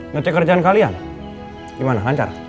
ngecek kerjaan kalian gimana lancar